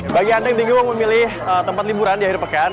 bagi anda yang bingung mau memilih tempat liburan di akhir pekan